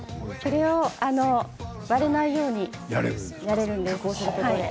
それを割れないようにやれるんです加工するので。